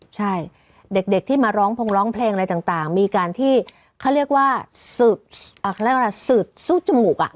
ใช่เด็กที่มาร้องเพลงอะไรต่างมีการที่เขาเรียกว่าสืดสู้จมูกอะ